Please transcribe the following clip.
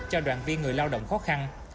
cho đoàn viên người lao động khó khăn